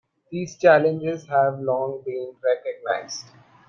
These challenges have long been recognized.